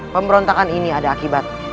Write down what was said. pemberontakan ini ada akhirnya